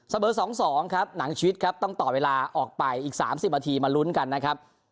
เบอร์๒๒ครับหนังชีวิตครับต้องต่อเวลาออกไปอีก๓๐นาทีมาลุ้นกันนะครับ